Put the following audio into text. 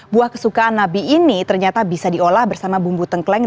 buah kesukaan nabi ini ternyata bisa diolah bersama bumbu tengkleng